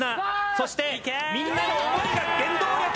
そしてみんなの想いが原動力。